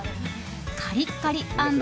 カリッカリ＆